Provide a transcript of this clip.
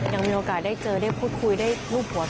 ยังมีโอกาสได้เจอได้พูดคุยได้รูปหัว